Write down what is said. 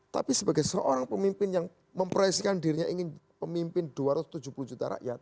tapi sebagai seorang pemimpin yang memproyeksikan dirinya ingin pemimpin dua ratus tujuh puluh juta rakyat